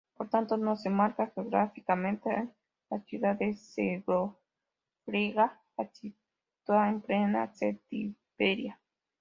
Por tanto, nos enmarca geográficamente la ciudad de Segóbriga: la sitúa en plena Celtiberia.